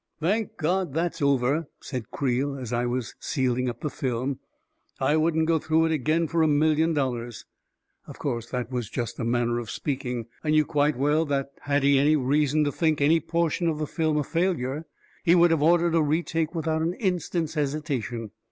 " Thank God that's over !" said Creel, as I was sealing up the film. " I wouldn't go through it again for a million dollars 1 " Of course, that was just a manner of speaking. I knew quite well that, had he had any reason to think any portion of the film a failure, he would have ordered a re take without an instant's hesitation.